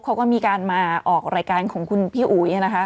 เขาก็มีการมาออกรายการของคุณพี่อุ๋ยนะคะ